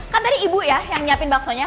kan tadi ibu ya yang nyiapin baksonya